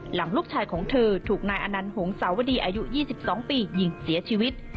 หลังลูกชายของเธอถูกนายอนันหงสาวดีอายุ๒๒ปียิงเสียชีวิต